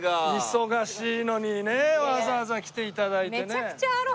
忙しいのにねわざわざ来て頂いてね。